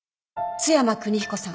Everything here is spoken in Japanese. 津山邦彦さん。